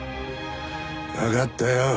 わかったよ。